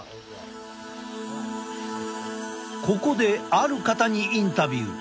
ここである方にインタビュー。